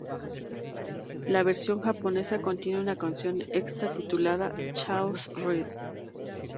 La versión japonesa contiene una canción extra titulada "Chaos Ride".